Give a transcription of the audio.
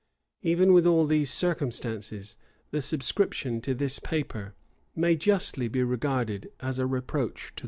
Even with all these circumstances, the subscription to this paper may justly be regarded as a reproach to the nation.